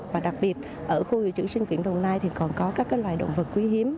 và đặc biệt ở khu dự trữ sinh quyển đồng nai thì còn có các loài động vật quý hiếm